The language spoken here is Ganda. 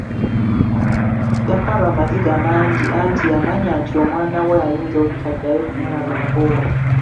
Yakaaba amaziga mangi anti yamanya nti omwana we ayinza obutaddayo kumulabako.